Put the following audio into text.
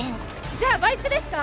じゃあバイクですか？